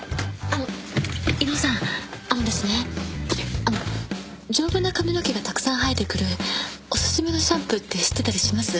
あのですねあの丈夫な髪の毛がたくさん生えてくるお薦めのシャンプーって知ってたりします？